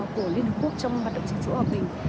của liên hợp quốc trong hoạt động gìn giữ hòa bình